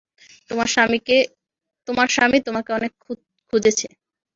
তোমার স্বামী তোমাকে অনেক খুঁজেছে।